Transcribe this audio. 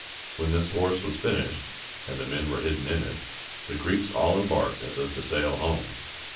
When this horse was finished, and the men were hidden in it, the Greeks all embarked as if to sail home.